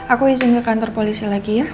aku izin ke kantor polisi lagi ya